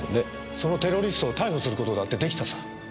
そのテロリストを逮捕する事だってできたさ。